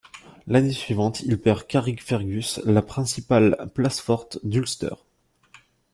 L’année suivante il perd Carrickfergus la principale place forte d’Ulster.